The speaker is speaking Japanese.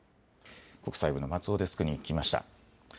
国際部の松尾デスクに聞きました。